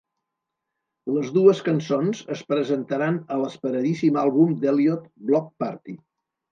Les dues cançons es presentaran a l'esperadíssim àlbum d'Elliott "Block Party".